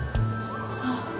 あっ